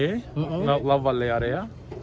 kapadokia ini adalah wilayah lava